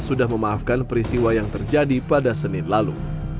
sudah memaafkan peristiwa yang terjadi pada senin lalu